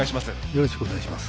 よろしくお願いします。